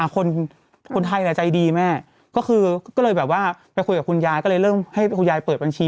ก็เลยไปคุยกับคุณยายเริ่มให้คุณยายเปิดบัญชี